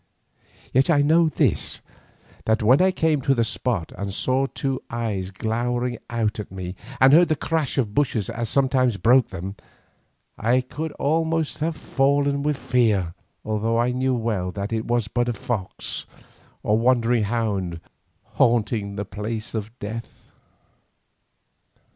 Yet I know this, that when I came to the spot and saw two eyes glowering at me and heard the crash of bushes as something broke them, I could almost have fallen with fear, although I knew well that it was but a fox or wandering hound haunting the place of death.